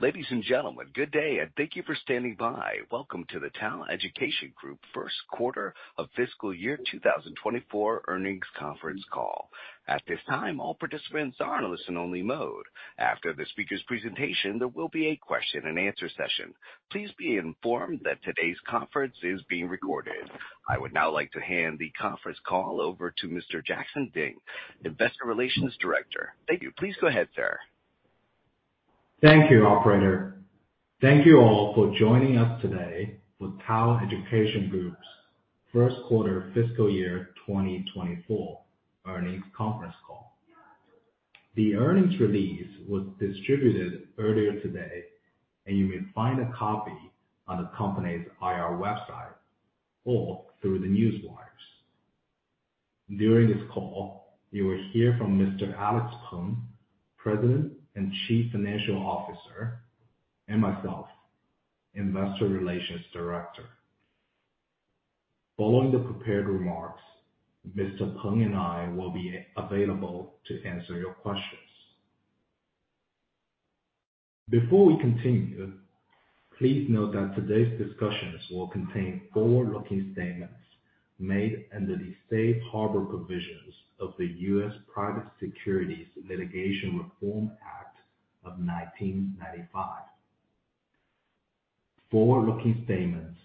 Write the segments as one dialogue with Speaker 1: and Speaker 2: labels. Speaker 1: Ladies and gentlemen, good day, and thank you for standing by. Welcome to the TAL Education Group First Quarter of Fiscal Year 2024 Earnings Conference Call. At this time, all participants are on listen only mode. After the speaker's presentation, there will be a question and answer session. Please be informed that today's conference is being recorded. I would now like to hand the conference call over to Mr. Jackson Ding, Investor Relations Director. Thank you. Please go ahead, sir.
Speaker 2: Thank you, operator. Thank you all for joining us today for TAL Education Group's first quarter fiscal year 2024 earnings conference call. The earnings release was distributed earlier today, and you may find a copy on the company's IR website or through the Newswires. During this call, you will hear from Mr. Alex Peng, President and Chief Financial Officer, and myself, Investor Relations Director. Following the prepared remarks, Mr. Peng and I will be available to answer your questions. Before we continue, please note that today's discussions will contain forward-looking statements made under the Safe Harbor Provisions of the U.S. Private Securities Litigation Reform Act of 1995. Forward-looking statements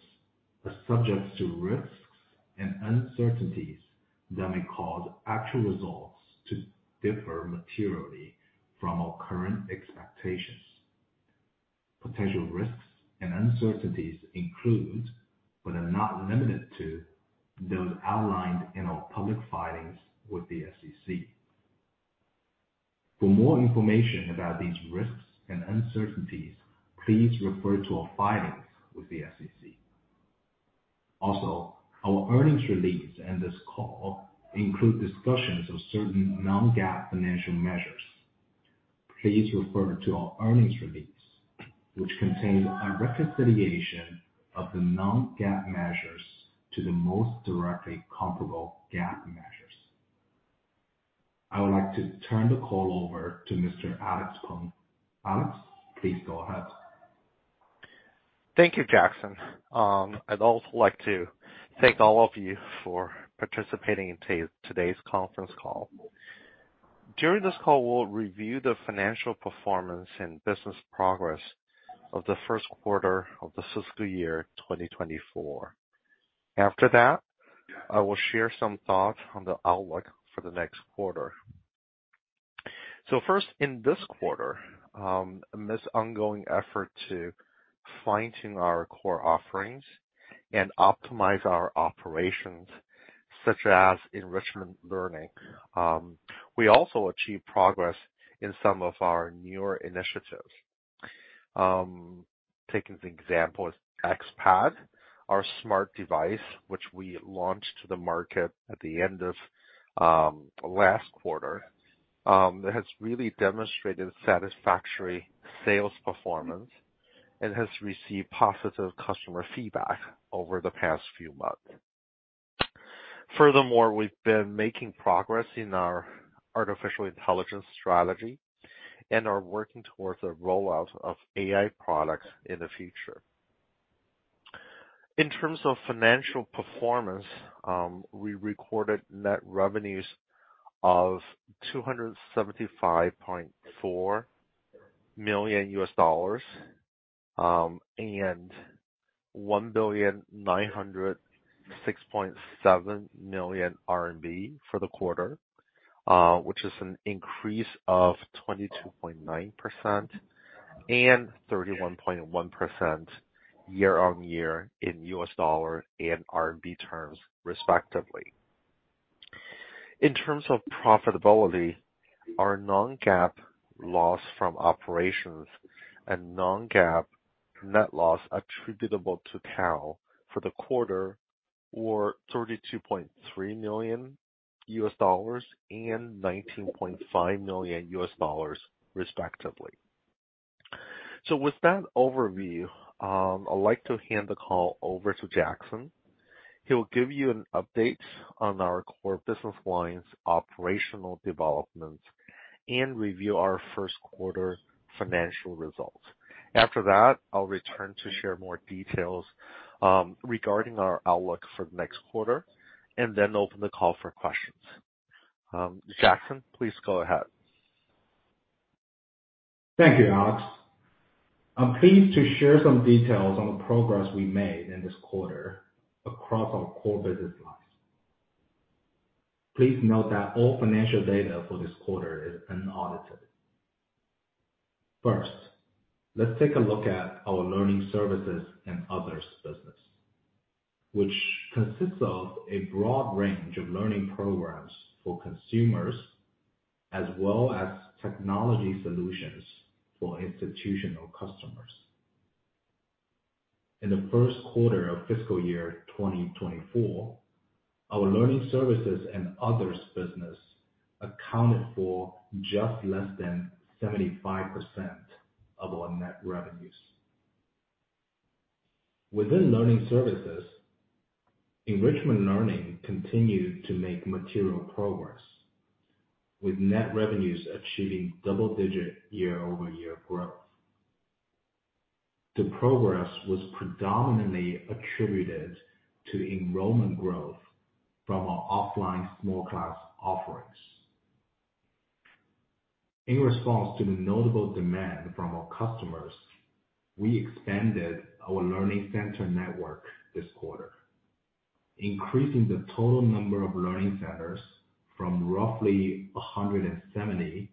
Speaker 2: are subject to risks and uncertainties that may cause actual results to differ materially from our current expectations. Potential risks and uncertainties include, but are not limited to, those outlined in our public filings with the SEC. For more information about these risks and uncertainties, please refer to our filings with the SEC. Our earnings release and this call include discussions of certain non-GAAP financial measures. Please refer to our earnings release, which contains a reconciliation of the non-GAAP measures to the most directly comparable GAAP measures. I would like to turn the call over to Mr. Alex Peng. Alex, please go ahead.
Speaker 3: Thank you, Jackson. I'd also like to thank all of you for participating in today's conference call. During this call, we'll review the financial performance and business progress of the first quarter of the fiscal year 2024. After that, I will share some thoughts on the outlook for the next quarter. First, in this quarter, this ongoing effort to fine-tune our core offerings and optimize our operations, such as enrichment learning, we also achieved progress in some of our newer initiatives. Taking the example of XPAD, our smart device, which we launched to the market at the end of last quarter, it has really demonstrated satisfactory sales performance and has received positive customer feedback over the past few months. We've been making progress in our artificial intelligence strategy and are working towards the rollout of AI products in the future. In terms of financial performance, we recorded net revenues of $275.4 million, and 1,906.7 million RMB for the quarter, which is an increase of 22.9% and 31.1% year-on-year in US dollar and RMB terms, respectively. In terms of profitability, our non-GAAP loss from operations and non-GAAP net loss attributable to TAL for the quarter were $32.3 million and $19.5 million, respectively. With that overview, I'd like to hand the call over to Jackson. He'll give you an update on our core business lines, operational developments, and review our first quarter financial results. After that, I'll return to share more details regarding our outlook for the next quarter, and then open the call for questions. Jackson, please go ahead.
Speaker 2: Thank you, Alex. I'm pleased to share some details on the progress we made in this quarter across our core business lines. Please note that all financial data for this quarter is unaudited. First, let's take a look at our learning services and others business, which consists of a broad range of learning programs for consumers, as well as technology solutions for institutional customers. In the first quarter of fiscal year 2024, our learning services and others business accounted for just less than 75% of our net revenues. Within learning services, enrichment learning continued to make material progress, with net revenues achieving double digit year-over-year growth. The progress was predominantly attributed to enrollment growth from our offline small class offerings. In response to the notable demand from our customers, we expanded our learning center network this quarter, increasing the total number of learning centers from roughly 170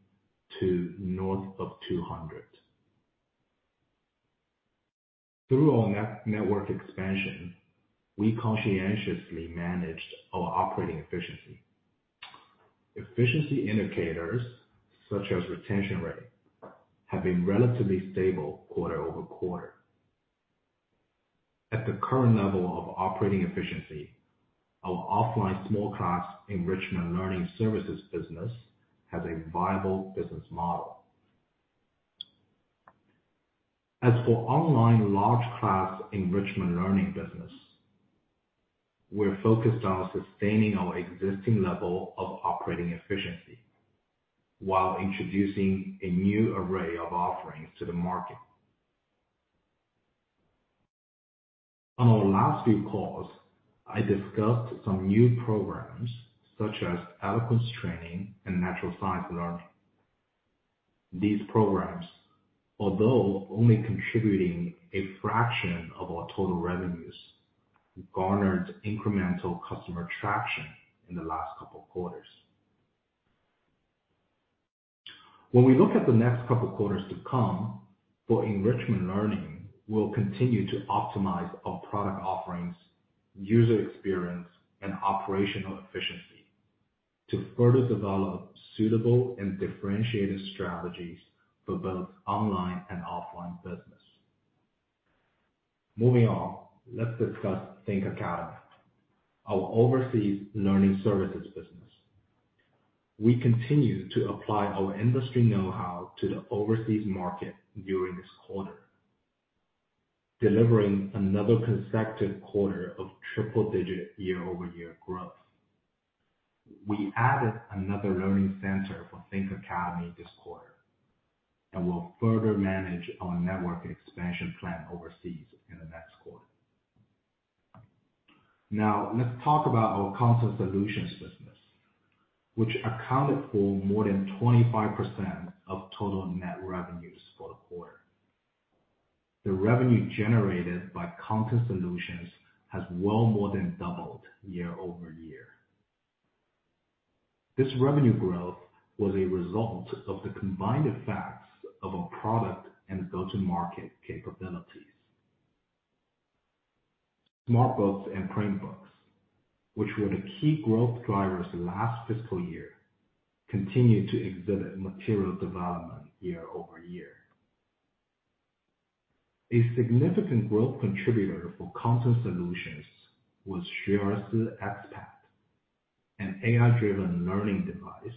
Speaker 2: to north of 200. Through our network expansion, we conscientiously managed our operating efficiency. Efficiency indicators, such as retention rate, have been relatively stable quarter-over-quarter. At the current level of operating efficiency, our offline small class enrichment learning services business has a viable business model. As for online large class enrichment learning business, we're focused on sustaining our existing level of operating efficiency, while introducing a new array of offerings to the market. On our last few calls, I discussed some new programs such as eloquence training and natural science learning. These programs, although only contributing a fraction of our total revenues, garnered incremental customer traction in the last couple of quarters. When we look at the next couple of quarters to come, for enrichment learning, we'll continue to optimize our product offerings, user experience, and operational efficiency to further develop suitable and differentiated strategies for both online and offline business. Moving on, let's discuss Think Academy, our overseas learning services business. We continue to apply our industry know-how to the overseas market during this quarter, delivering another consecutive quarter of triple-digit year-over-year growth. We added another learning center for Think Academy this quarter, and we'll further manage our network expansion plan overseas in the next quarter. Now, let's talk about our content solutions business, which accounted for more than 25% of total net revenues for the quarter. The revenue generated by content solutions has well more than doubled year-over-year. This revenue growth was a result of the combined effects of our product and go-to-market capabilities. smart books and print books, which were the key growth drivers last fiscal year, continued to exhibit material development year-over-year. A significant growth contributor for content solutions was XPAD, an AI-driven learning device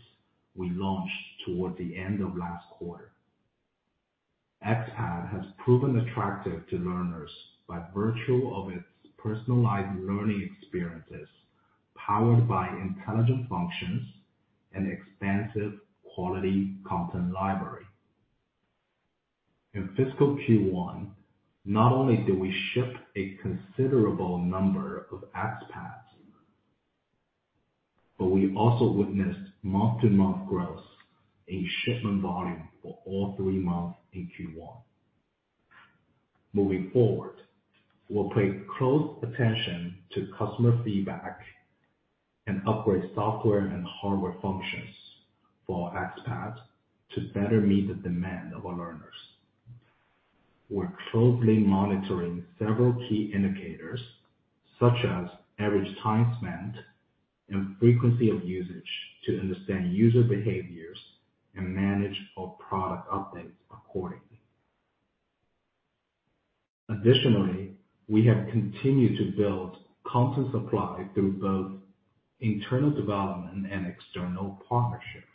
Speaker 2: we launched towards the end of last quarter. XPAD has proven attractive to learners by virtue of its personalized learning experiences, powered by intelligent functions and expansive quality content library. In fiscal Q1, not only did we ship a considerable number of XPADs, but we also witnessed month-to-month growth in shipment volume for all three months in Q1. Moving forward, we'll pay close attention to customer feedback and upgrade software and hardware functions for XPAD to better meet the demand of our learners. We're closely monitoring several key indicators, such as average time spent and frequency of usage, to understand user behaviors and manage our product updates accordingly. Additionally, we have continued to build content supply through both internal development and external partnerships.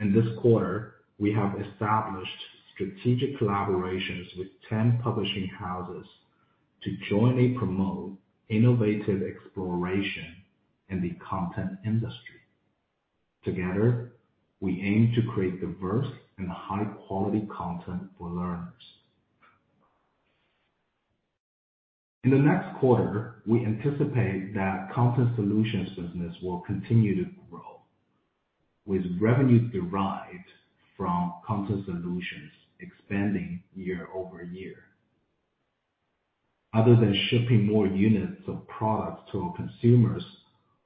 Speaker 2: In this quarter, we have established strategic collaborations with 10 publishing houses to jointly promote innovative exploration in the content industry. Together, we aim to create diverse and high-quality content for learners. In the next quarter, we anticipate that content solutions business will continue to grow, with revenues derived from content solutions expanding year-over-year. Other than shipping more units of products to our consumers,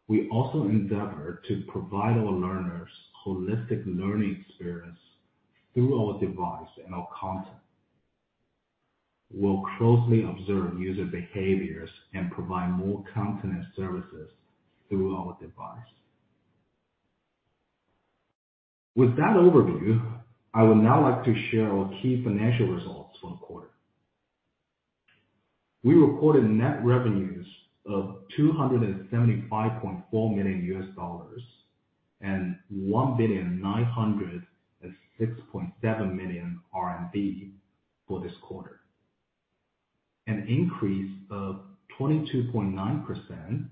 Speaker 2: we also endeavor to provide our learners holistic learning experience through our device and our content. We'll closely observe user behaviors and provide more content and services through our device. With that overview, I would now like to share our key financial results for the quarter. We reported net revenues of $275.4 million. RMB 1,906.7 million for this quarter. An increase of 22.9%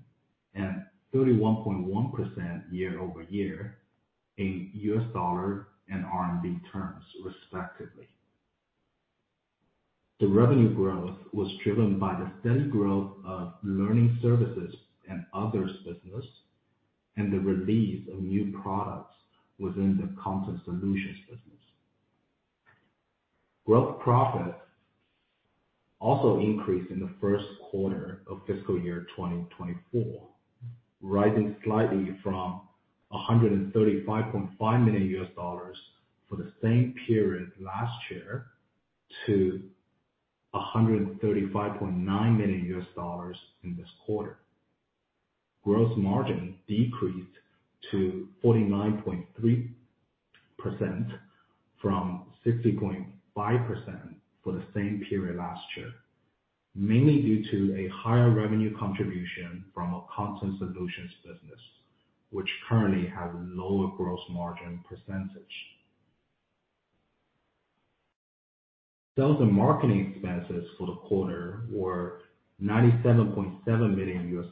Speaker 2: and 31.1% year-over-year in U.S. dollar and RMB terms, respectively. The revenue growth was driven by the steady growth of learning services and others business, and the release of new products within the content solutions business. Gross profit also increased in the first quarter of fiscal year 2024, rising slightly from $135.5 million for the same period last year to $135.9 million in this quarter. Gross margin decreased to 49.3% from 60.5% for the same period last year, mainly due to a higher revenue contribution from our content solutions business, which currently has lower gross margin percentage. Sales and marketing expenses for the quarter were $97.7 million,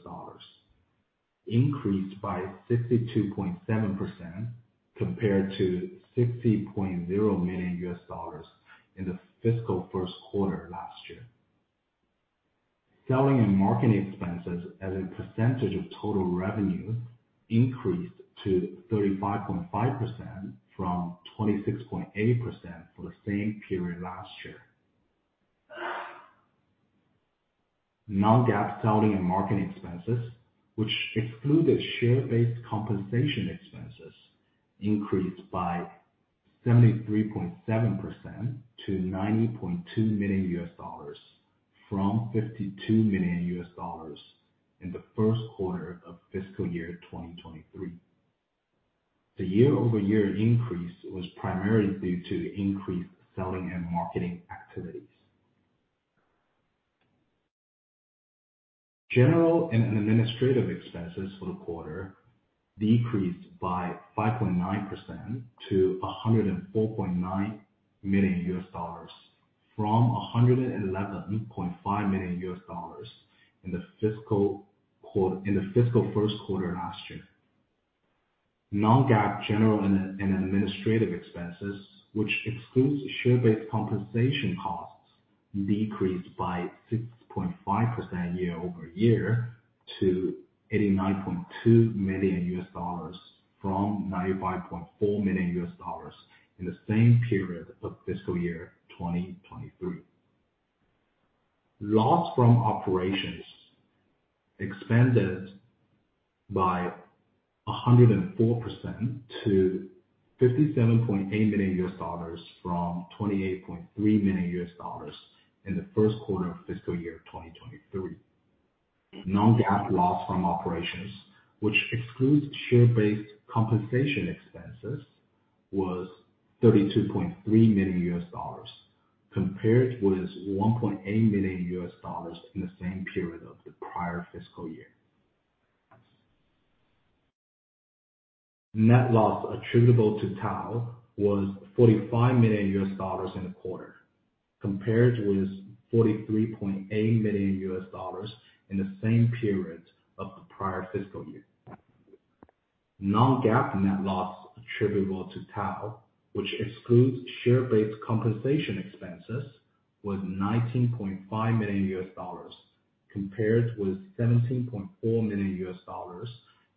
Speaker 2: increased by 62.7% compared to $60.0 million in the fiscal first quarter last year. Selling and marketing expenses as a percentage of total revenue increased to 35.5% from 26.8% for the same period last year. Non-GAAP selling and marketing expenses, which excluded share-based compensation expenses, increased by 73.7% to $90.2 million, from $52 million in the first quarter of fiscal year 2023. The year-over-year increase was primarily due to increased selling and marketing activities. General and administrative expenses for the quarter decreased by 5.9% to $104.9 million, from $111.5 million in the fiscal first quarter last year. Non-GAAP general and administrative expenses, which excludes share-based compensation costs, decreased by 6.5% year-over-year to $89.2 million, from $95.4 million in the same period of fiscal year 2023. Loss from operations expanded by 104% to $57.8 million from $28.3 million in the first quarter of fiscal year 2023. Non-GAAP loss from operations, which excludes share-based compensation expenses, was $32.3 million, compared with $1.8 million in the same period of the prior fiscal year. Net loss attributable to TAL was $45 million in the quarter, compared with $43.8 million in the same period of the prior fiscal year. Non-GAAP net loss attributable to TAL, which excludes share-based compensation expenses, was $19.5 million, compared with $17.4 million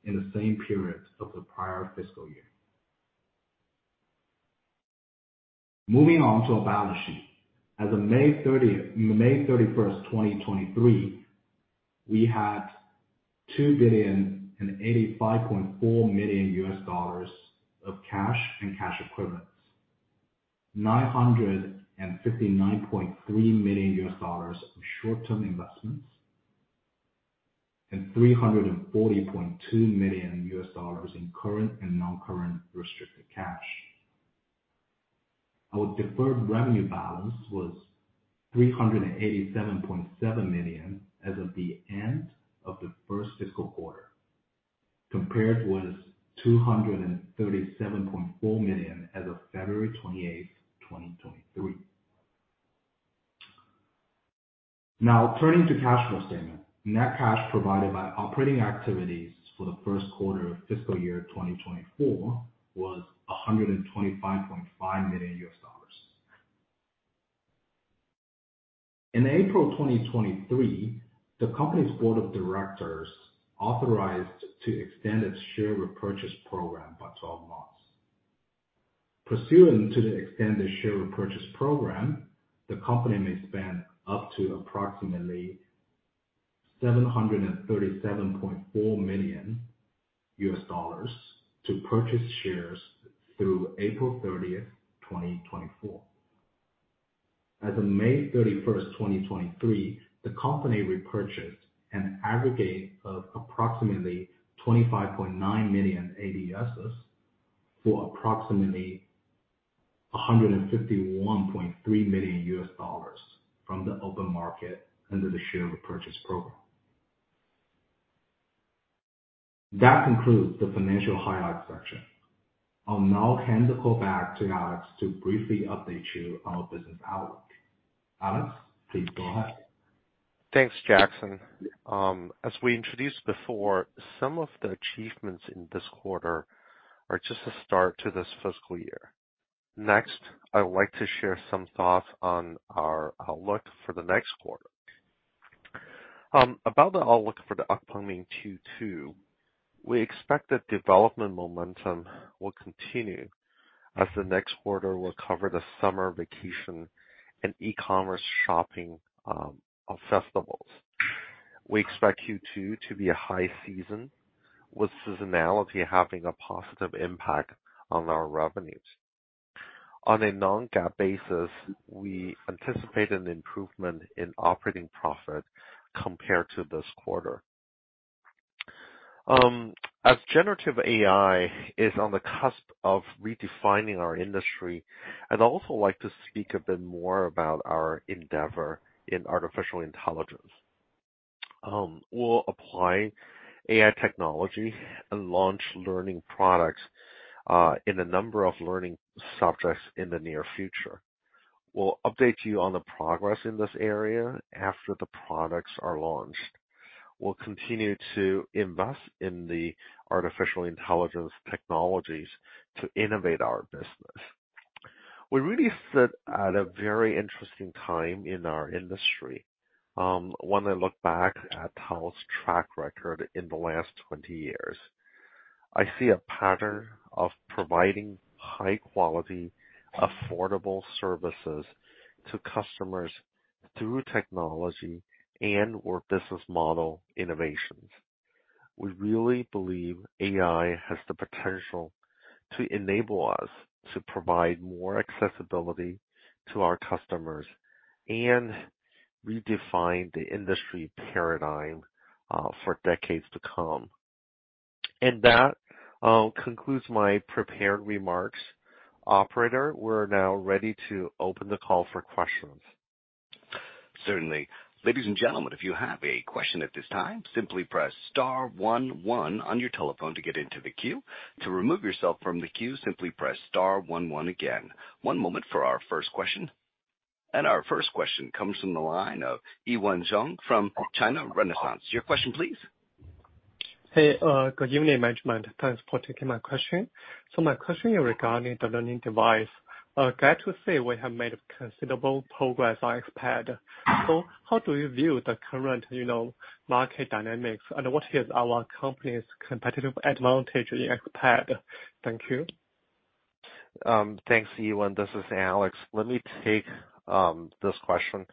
Speaker 2: in the same period of the prior fiscal year. Moving on to our balance sheet. As of May 31, 2023, we had $2,085.4 million of cash and cash equivalents, $959.3 million of short-term investments, and $340.2 million in current and non-current restricted cash. Our deferred revenue balance was $387.7 million as of the end of the first fiscal quarter, compared with $237.4 million as of February 28, 2023. Turning to cash flow statement. Net cash provided by operating activities for the first quarter of fiscal year 2024 was $125.5 million. In April 2023, the company's board of directors authorized to extend its share repurchase program by 12 months. Pursuant to the extended share repurchase program, the company may spend up to approximately $737.4 million to purchase shares through April 30, 2024. As of May 31, 2023, the company repurchased an aggregate of approximately 25.9 million ADSs for approximately $151.3 million from the open market under the share repurchase program. That concludes the financial highlights section. I'll now hand the call back to Alex to briefly update you on our business outlook. Alex, please go ahead.
Speaker 3: Thanks, Jackson. As we introduced before, some of the achievements in this quarter are just a start to this fiscal year. I would like to share some thoughts on our outlook for the next quarter. About the outlook for the upcoming Q2, we expect that development momentum will continue as the next quarter will cover the summer vacation and e-commerce shopping festivals. We expect Q2 to be a high season, with seasonality having a positive impact on our revenues. On a non-GAAP basis, we anticipate an improvement in operating profit compared to this quarter. As generative AI is on the cusp of redefining our industry, I'd also like to speak a bit more about our endeavor in artificial intelligence. We'll apply AI technology and launch learning products in a number of learning subjects in the near future. We'll update you on the progress in this area after the products are launched. We'll continue to invest in the artificial intelligence technologies to innovate our business. We really sit at a very interesting time in our industry. When I look back at TAL's track record in the last 20 years, I see a pattern of providing high quality, affordable services to customers through technology and or business model innovations. We really believe AI has the potential to enable us to provide more accessibility to our customers and redefine the industry paradigm for decades to come. That concludes my prepared remarks. Operator, we're now ready to open the call for questions.
Speaker 1: Certainly. Ladies and gentlemen, if you have a question at this time, simply press star one one on your telephone to get into the queue. To remove yourself from the queue, simply press star one one again. One moment for our first question. Our first question comes from the line of Yiwen Zhang from China Renaissance. Your question please.
Speaker 4: Hey, good evening, management. Thanks for taking my question. My question is regarding the learning device. Glad to say we have made considerable progress on XPAD. How do you view the current, you know, market dynamics, and what is our company's competitive advantage in XPAD? Thank you.
Speaker 3: Thanks, Yiwen. This is Alex. Let me take this question.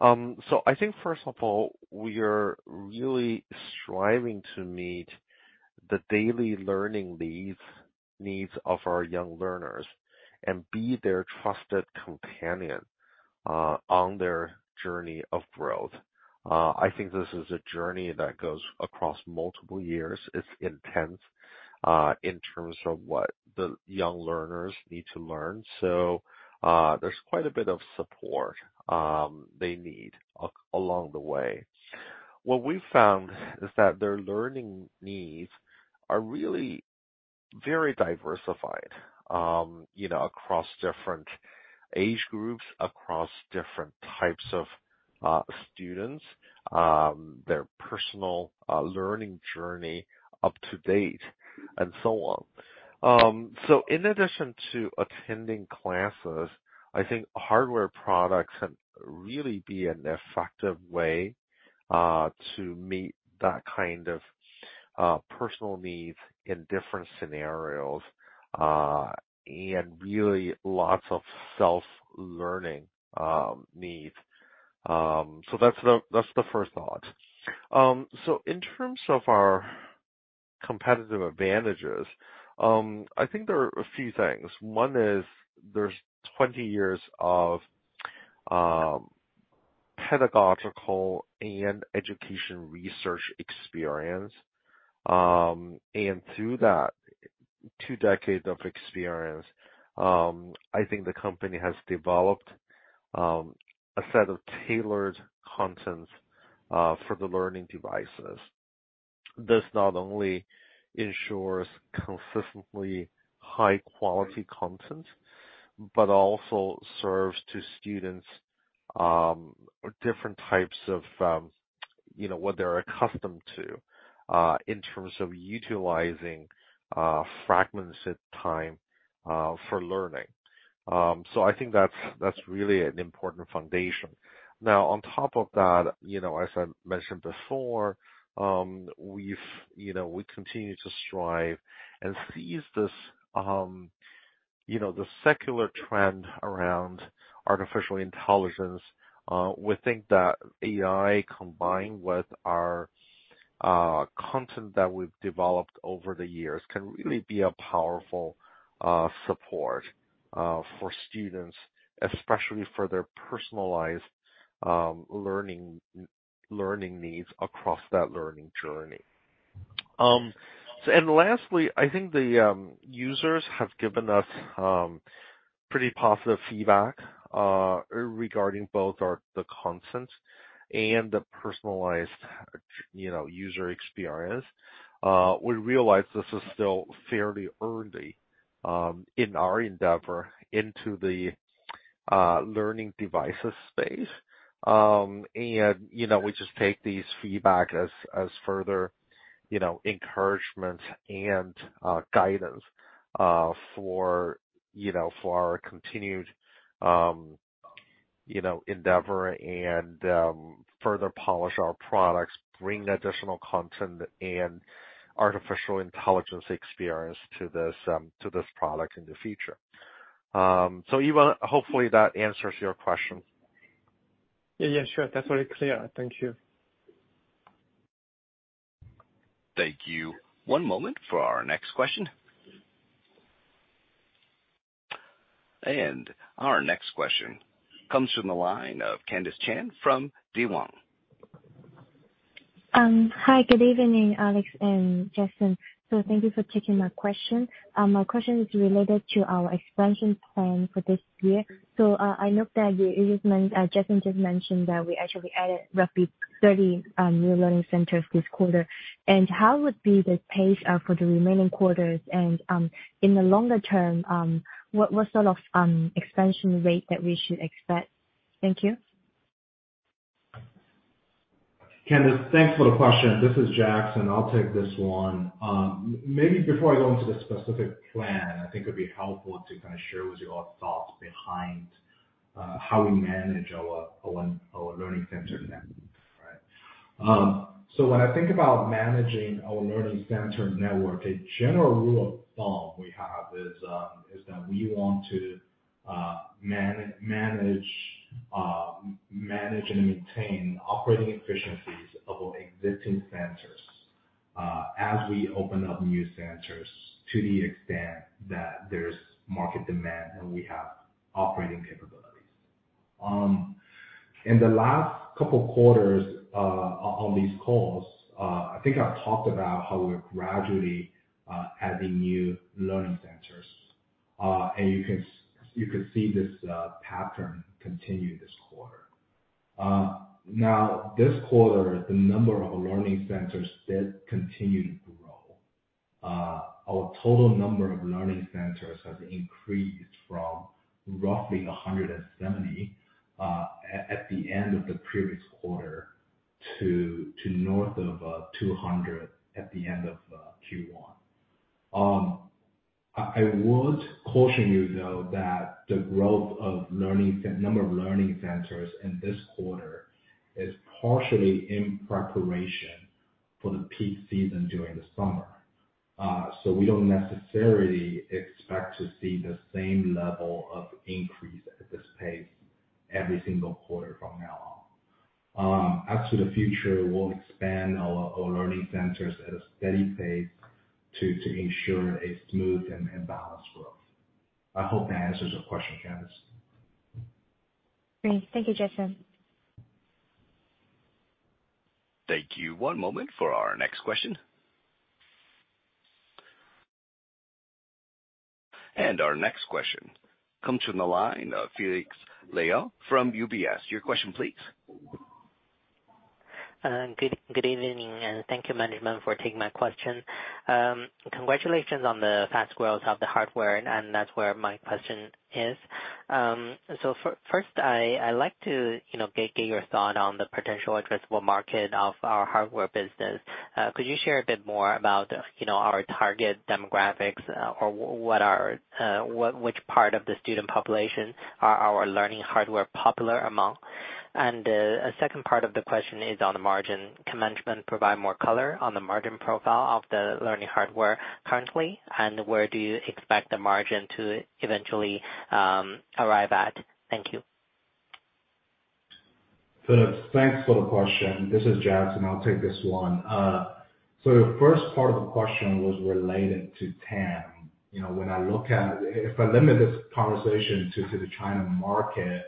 Speaker 3: I think, first of all, we are really striving to meet the daily learning needs of our young learners and be their trusted companion on their journey of growth. I think this is a journey that goes across multiple years. It's intense in terms of what the young learners need to learn, so there's quite a bit of support they need along the way. What we found is that their learning needs are really very diversified, you know, across different age groups, across different types of students, their personal learning journey up to date, and so on. In addition to attending classes, I think hardware products can really be an effective way to meet that kind of personal needs in different scenarios, and really lots of self-learning needs. That's the first thought. In terms of our competitive advantages, I think there are a few things. One is there's 20 years of pedagogical and education research experience. Through that 2 decades of experience, I think the company has developed a set of tailored content for the learning devices. This not only ensures consistently high quality content, but also serves to students, different types of, you know, what they're accustomed to, in terms of utilizing fragmented time for learning. I think that's really an important foundation. On top of that, you know, as I mentioned before, we've, you know, we continue to strive and seize this, you know, the secular trend around artificial intelligence. We think that AI, combined with our content that we've developed over the years, can really be a powerful support for students, especially for their personalized learning needs across that learning journey. Lastly, I think the users have given us pretty positive feedback regarding both our, the content and the personalized, you know, user experience. We realize this is still fairly early in our endeavor into the learning devices space. You know, we just take these feedback as, as further, you know, encouragement and guidance for, you know, for our continued, you know, endeavor and further polish our products, bring additional content and artificial intelligence experience to this product in the future. Ivan, hopefully that answers your question.
Speaker 4: Yeah, yeah, sure. That's very clear. Thank you.
Speaker 1: Thank you. One moment for our next question. Our next question comes from the line of Candis Chan from Daiwa.
Speaker 5: Hi, good evening, Alex and Jackson. Thank you for taking my question. My question is related to our expansion plan for this year. I note that the engagement, as Jackson just mentioned, that we actually added roughly 30 new learning centers this quarter. How would be the pace for the remaining quarters? In the longer term, what sort of expansion rate that we should expect? Thank you.
Speaker 2: Candis Chan, thanks for the question. This is Jackson Ding. I'll take this one. Maybe before I go into the specific plan, I think it would be helpful to kind of share with you our thoughts behind how we manage our learning center network, right? When I think about managing our learning center network, a general rule of thumb we have is that we want to manage and maintain operating efficiencies of our existing centers as we open up new centers, to the extent that there's market demand and we have operating capabilities. In the last couple of quarters, on these calls, I think I've talked about how we're gradually adding new learning centers. You can see this pattern continue this quarter. Now this quarter of the number of learning centers did continue to grow. Our total number of learning centers has increased from roughly 170 at the end of the previous quarter, to north of 200 at the end of Q1. I would caution you, though, that the growth of number of learning centers in this quarter is partially in preparation for the peak season during the summer. So we don't necessarily expect to see the same level of increase at this pace every single quarter from now on. Out to the future, we'll expand our learning centers at a steady pace to ensure a smooth and balanced growth. I hope that answers your question, Candis.
Speaker 5: Great. Thank you, Jackson.
Speaker 1: Thank you. One moment for our next question. Our next question comes from the line of Felix Liu from UBS. Your question, please.
Speaker 6: Good, good evening, and thank you, management, for taking my question. Congratulations on the fast growth of the hardware, and that's where my question is. First, I'd like to, you know, get your thought on the potential addressable market of our hardware business. Could you share a bit more about, you know, our target demographics, or what are, which part of the student population are our learning hardware popular among? A second part of the question is on the margin. Can management provide more color on the margin profile of the learning hardware currently, and where do you expect the margin to eventually arrive at? Thank you.
Speaker 2: Felix, thanks for the question. This is Jackson. I'll take this one. The first part of the question was related to TAM. You know, if I limit this conversation to the China market,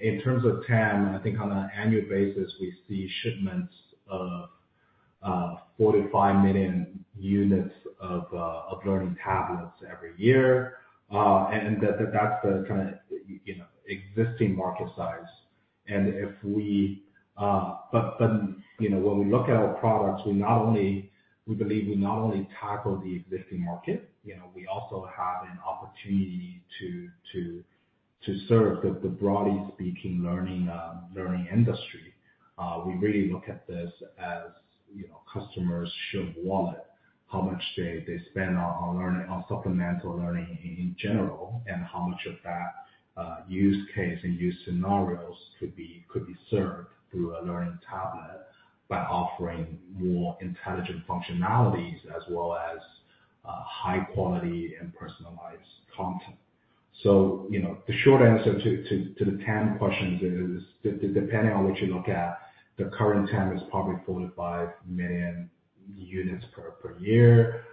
Speaker 2: in terms of TAM, I think on an annual basis, we see shipments of 45 million units of learning tablets every year. That's the kind of, you know, existing market size. You know, when we look at our products, we believe we not only tackle the existing market, you know, we also have an opportunity to serve the broadly speaking, learning industry. We really look at this as, you know, customers' should wallet, how much they, they spend on, on learning, on supplemental learning in general, and how much of that use case and use scenarios could be, could be served through a learning tablet by offering more intelligent functionalities, as well as, high quality and personalized content. You know, the short answer to the TAM questions is depending on what you look at, the current TAM is probably 45 million units per year.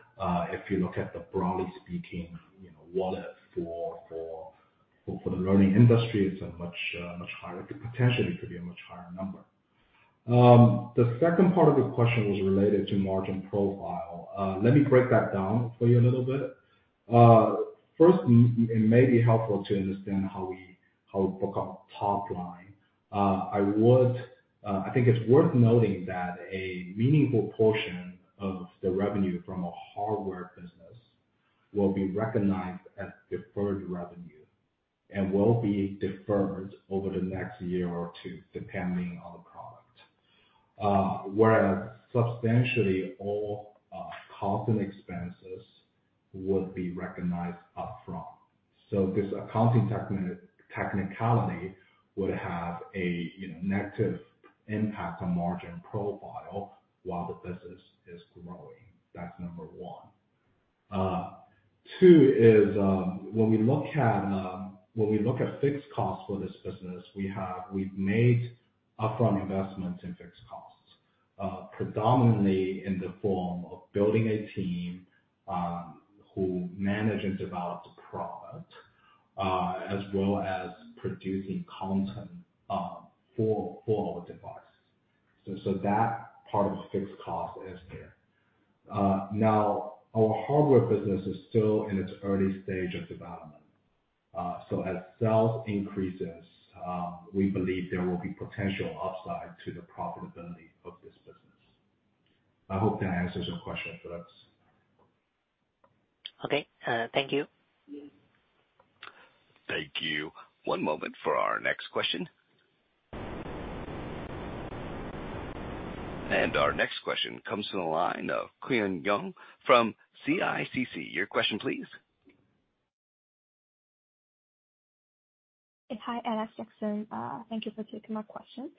Speaker 2: If you look at the broadly speaking, you know, wallet for the learning industry, it's a much, much higher, potentially could be a much higher number. The second part of the question was related to margin profile. Let me break that down for you a little bit. First, it may be helpful to understand how we book our top line. I would, I think it's worth noting that a meaningful portion of the revenue from a hardware business will be recognized as deferred revenue and will be deferred over the next year or two, depending on the product. Whereas substantially all cost and expenses would be recognized upfront. This accounting technicality would have a, you know, negative impact on margin profile while the business is growing. That's number one. Two is, when we look at fixed costs for this business, we've made upfront investments in fixed costs, predominantly in the form of building a team, who manage and develop the product, as well as producing content for our devices. That part of the fixed cost is there. Now, our hardware business is still in its early stage of development. As sales increases, we believe there will be potential upside to the profitability of this business. I hope that answers your question, Felix.
Speaker 3: Okay, thank you.
Speaker 1: Thank you. One moment for our next question. Our next question comes from the line of Queenie Yong from CICC. Your question please.
Speaker 7: Hi, Alex, Jackson. Thank you for taking my question.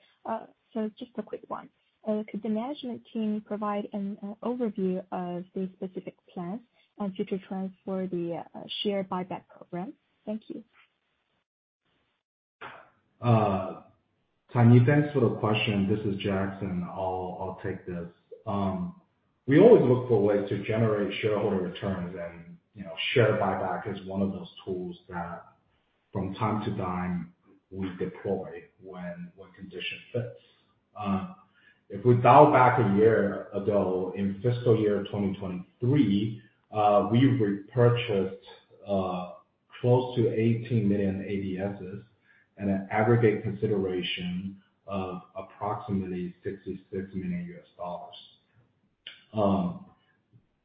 Speaker 7: Just a quick one. Could the management team provide an overview of the specific plans and future trends for the share buyback program? Thank you.
Speaker 2: Tammy, thanks for the question. This is Jackson. I'll take this. We always look for ways to generate shareholder returns, and, you know, share buyback is one of those tools that from time to time we deploy when condition fits. If we dial back a year ago, in fiscal year 2023, we repurchased close to 18 million ADSs at an aggregate consideration of approximately $63 million.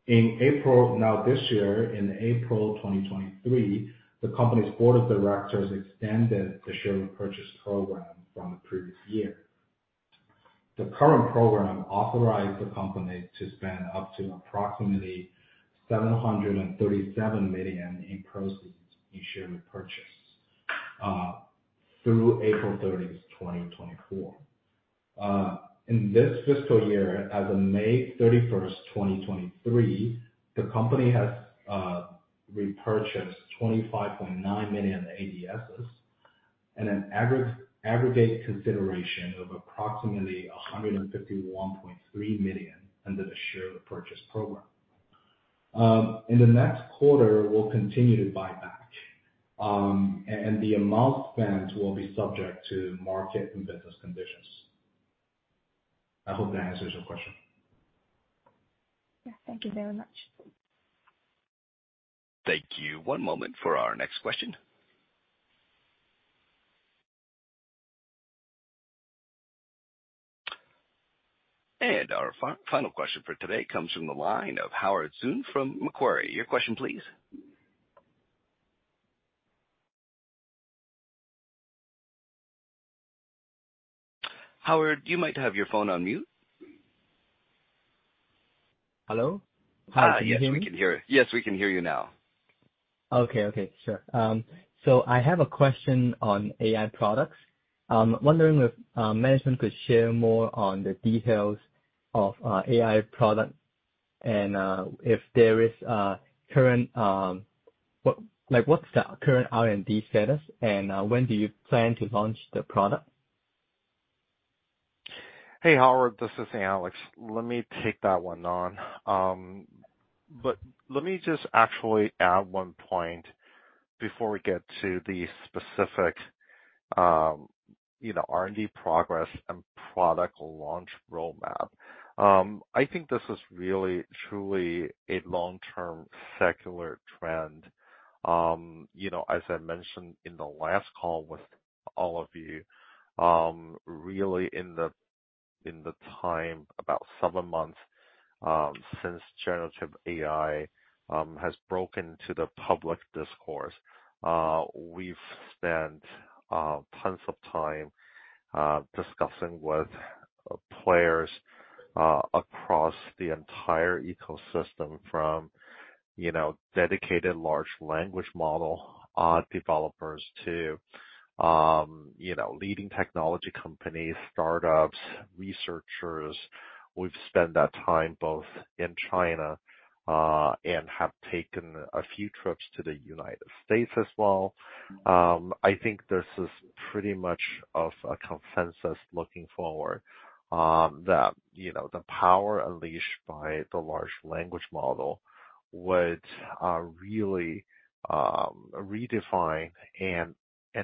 Speaker 2: In April, now, this year, in April 2023, the company's board of directors extended the share repurchase program from the previous year. The current program authorized the company to spend up to approximately $737 million in proceeds in share repurchase through April 30th, 2024. In this fiscal year, as of May 31st, 2023, the company has repurchased 25.9 million ADSs at an aggregate consideration of approximately $151.3 million under the share repurchase program. In the next quarter, we'll continue to buy back, and the amount spent will be subject to market and business conditions. I hope that answers your question.
Speaker 7: Yeah, thank you very much.
Speaker 1: Thank you. One moment for our next question. Our final question for today comes from the line of Howard Tsui from Macquarie. Your question, please. Howard, you might have your phone on mute.
Speaker 8: Hello?
Speaker 1: Hi.
Speaker 8: Can you hear me?
Speaker 1: Yes, we can hear you now.
Speaker 8: Okay. Okay, sure. I have a question on AI products. I'm wondering if management could share more on the details of AI product, and if there is a current. What's the current R&D status, and when do you plan to launch the product?
Speaker 3: Hey, Howard, this is Alex. Let me take that one on. Let me just actually add 1 point before we get to the specific, you know, R&D progress and product launch roadmap. I think this is really, truly a long-term secular trend. You know, as I mentioned in the last call with all of you, really in the, in the time, about 7 months, since generative AI has broken to the public discourse, we've spent tons of time discussing with players across the entire ecosystem from, you know, dedicated large language model developers, to, you know, leading technology companies, startups, researchers. We've spent that time both in China, and have taken a few trips to the United States as well. I think this is pretty much of a consensus looking forward, that, you know, the power unleashed by the large language model would really redefine and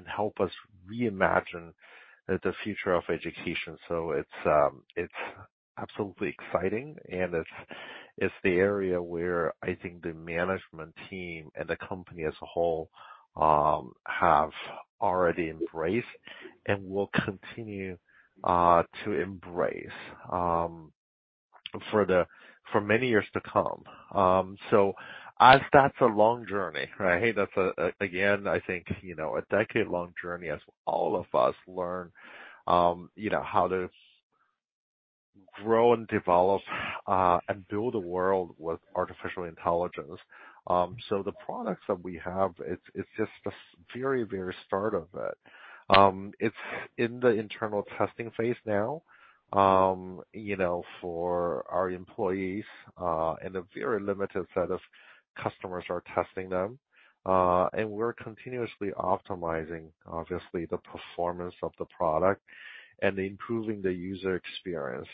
Speaker 3: help us reimagine the future of education. It's absolutely exciting, and it's, it's the area where I think the management team and the company as a whole have already embraced and will continue to embrace for many years to come. As that's a long journey, right? That's again, I think, you know, a decade-long journey as all of us learn, you know, how to grow and develop and build a world with artificial intelligence. The products that we have, it's just the very, very start of it. It's in the internal testing phase now, you know, for our employees, and a very limited set of customers are testing them. We're continuously optimizing, obviously, the performance of the product and improving the user experience,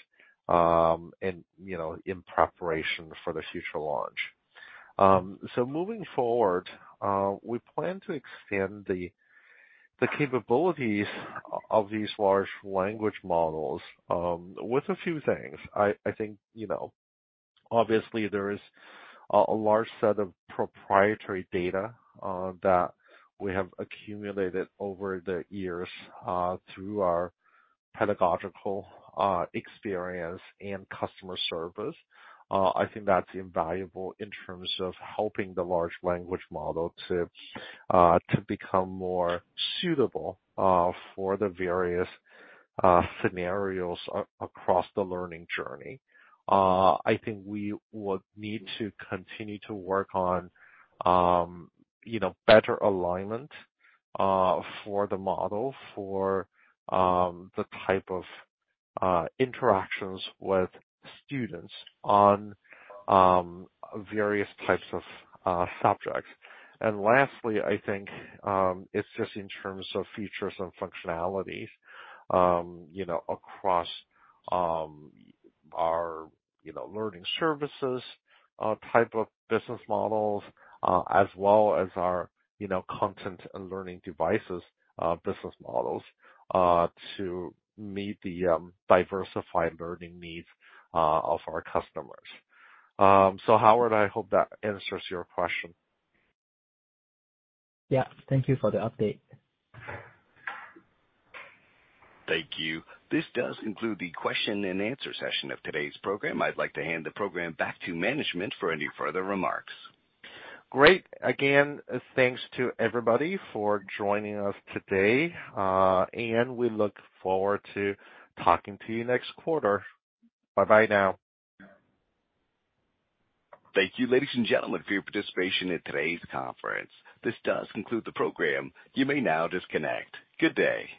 Speaker 3: and, you know, in preparation for the future launch. Moving forward, we plan to extend the capabilities of these large language models with a few things. I think, you know, obviously there is a large set of proprietary data that we have accumulated over the years through our pedagogical experience and customer service. I think that's invaluable in terms of helping the large language model to become more suitable for the various scenarios across the learning journey. I think we would need to continue to work on, you know, better alignment, for the model, for the type of interactions with students on various types of subjects. Lastly, I think, it's just in terms of features and functionalities, you know, across our, you know, learning services, type of business models, as well as our, you know, content and learning devices, business models, to meet the diversified learning needs of our customers. Howard, I hope that answers your question.
Speaker 1: Yeah. Thank you for the update. Thank you. This does conclude the question and answer session of today's program. I'd like to hand the program back to management for any further remarks.
Speaker 3: Great. Again, thanks to everybody for joining us today, and we look forward to talking to you next quarter. Bye-bye now.
Speaker 1: Thank you, ladies and gentlemen, for your participation in today's conference. This does conclude the program. You may now disconnect. Good day!